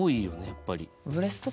やっぱり。